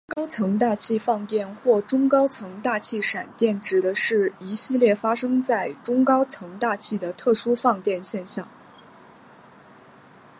中高层大气放电或中高层大气闪电指的是一系列发生在中高层大气的特殊放电现象。